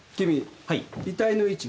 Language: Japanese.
遺体の位置は？